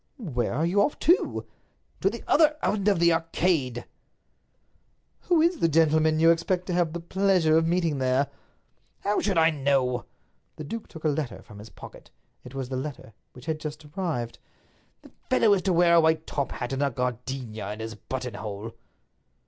"Where are you off to?" "To the other end of the Arcade." "Who is the gentleman you expect to have the pleasure of meeting there?" "How should I know?" The duke took a letter from his pocket—it was the letter which had just arrived. "The fellow is to wear a white top hat, and a gardenia in his buttonhole."